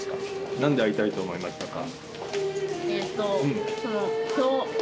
何で会いたいと思いましたか？